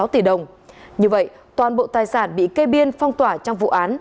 một năm trăm ba mươi sáu tỷ đồng như vậy toàn bộ tài sản bị cây biên phong tỏa trong vụ án